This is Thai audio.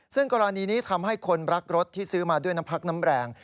ซึ่งกรณีนี้ทำให้คนรักรถที่ซื้อมาด้วยน้ำพักน้ำแรง